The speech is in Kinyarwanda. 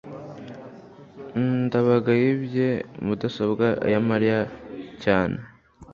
ndabaga yibye mudasobwa ya mariya cyane